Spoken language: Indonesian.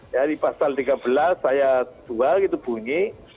ya di pasal tiga belas saya jual gitu bunyi